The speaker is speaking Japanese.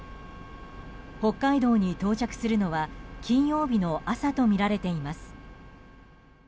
北海道に到着するのは金曜日の朝とみられています。